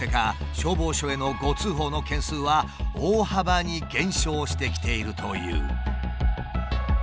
消防署への誤通報の件数は大幅に減少してきているという。